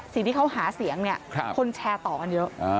สิ่งที่เขาหาเสียงเนี่ยคนแชร์ต่อกันเยอะ